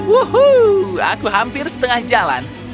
wuhuu aku hampir setengah jalan